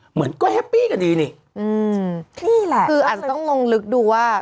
เหมือนก็แฮปปี้กันดีนี่อืมนี่แหละคืออาจจะต้องลงลึกดูว่า